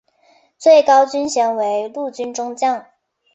最高军衔为陆军中将。